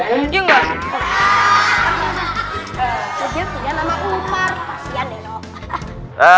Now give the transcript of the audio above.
sejujurnya nama aku umar